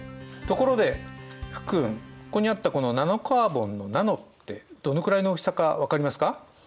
ところで福君ここにあったこの「ナノカーボン」の「ナノ」ってどのくらいの大きさか分かりますか？